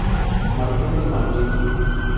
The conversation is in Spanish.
Martínez, Juan Luis.